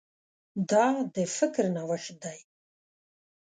دا د فکر نوښت دی.